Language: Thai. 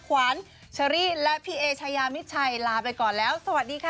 ขวัญเชอรี่และพี่เอชายามิดชัยลาไปก่อนแล้วสวัสดีค่ะ